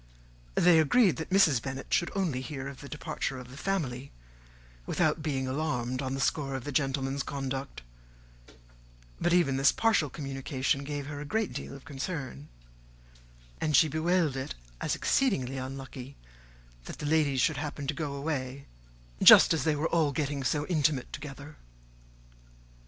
They agreed that Mrs. Bennet should only hear of the departure of the family, without being alarmed on the score of the gentleman's conduct; but even this partial communication gave her a great deal of concern, and she bewailed it as exceedingly unlucky that the ladies should happen to go away just as they were all getting so intimate together.